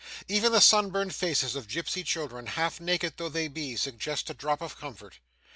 Even the sunburnt faces of gypsy children, half naked though they be, suggest a drop of comfort.